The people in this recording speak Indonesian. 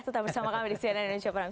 tetap bersama kami di cnn indonesia prime